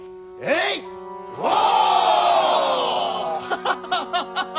ハハハハハハ！